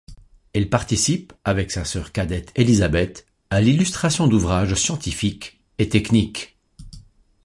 Elle participe avec sa sœur cadette Elisabeth, à l'illustration d'ouvrages scientifiques et techniques.